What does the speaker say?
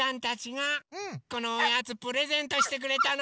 このおやつプレゼントしてくれたの。